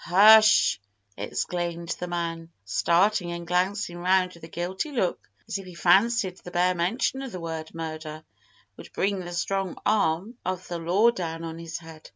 "Hush!" exclaimed the man, starting and glancing round with a guilty look, as if he fancied the bare mention of the word "murder" would bring the strong arm of the law down on his head.